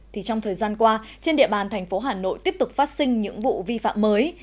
thì trong thời gian qua trên địa bàn thành phố hà nội tiếp tục phát sinh những vụ vi phạm mới